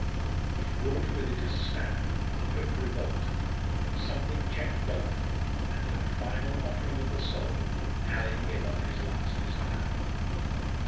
It brought with it a stab, a quick revolt. But something checked both, and in a final offering of the soul, Hallin gave up his last desire.